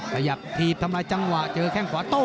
ขยับถีบทำลายจังหวะเจอแข้งขวาโต้